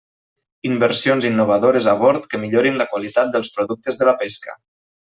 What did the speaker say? Inversions innovadores a bord que millorin la qualitat dels productes de la pesca.